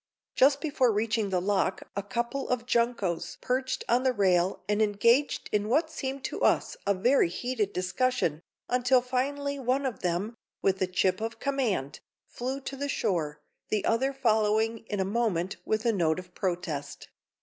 Just before reaching the lock a couple of juncos perched on the rail and engaged in what seemed to us a very heated discussion, until finally one of them, with a chip of command, flew to the shore, the other following in a moment with a note of protest.